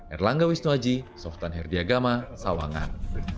erlangga wisnuaji softan herdiagama sawangan